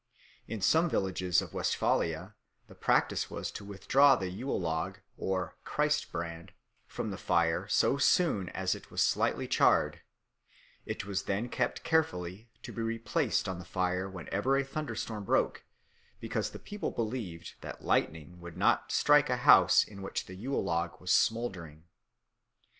In some villages of Westphalia, the practice was to withdraw the Yule log (Christbrand) from the fire so soon as it was slightly charred; it was then kept carefully to be replaced on the fire whenever a thunderstorm broke, because the people believed that lightning would not strike a house in which the Yule log was smouldering.